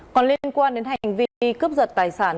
còn liên quan đến hành vi cướp giật tài sản